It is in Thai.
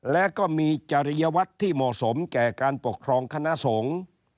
และก็มีจริยวัตรที่เหมาะสมแก่การปกครองคณะสงฆ์